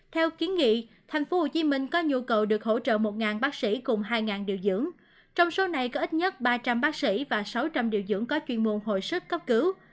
theo kiến nghị thành phố hồ chí minh có nhu cầu được hỗ trợ một bác sĩ cùng hai điều dưỡng trong số này có ít nhất ba trăm linh bác sĩ và sáu trăm linh điều dưỡng có chuyên môn hội sức cấp cứu